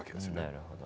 なるほど。